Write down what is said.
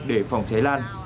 để phòng cháy lan